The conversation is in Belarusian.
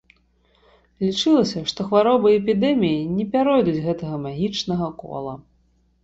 Лічылася, што хваробы і эпідэміі не пяройдуць гэтага магічнага кола.